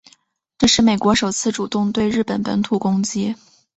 这是美国首次主动对日本本土攻击。